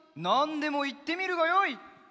なんでもいってみるがよい！